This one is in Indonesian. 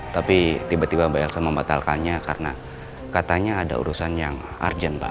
tapi tiba tiba mbak elsa membatalkannya karena katanya ada urusan yang urgent mbak